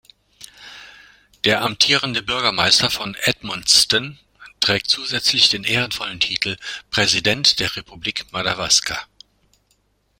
Der amtierende Bürgermeister von Edmundston trägt zusätzlich den ehrenvollen Titel "Präsident der Republik Madawaska".